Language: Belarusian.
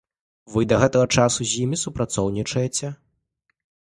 Вы да гэтага часу з імі супрацоўнічаеце?